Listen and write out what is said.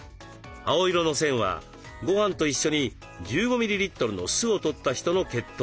青色の線はごはんと一緒に１５ミリリットルの酢をとった人の血糖値。